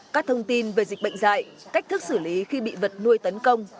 các thông tin về dịch bệnh dạy cách thức xử lý khi bị vật nuôi tấn công